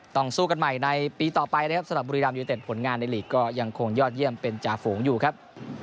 สู้กันใหม่ในปีต่อไปนะครับสำหรับบุรีรัมยูเต็ดผลงานในหลีกก็ยังคงยอดเยี่ยมเป็นจ่าฝูงอยู่ครับ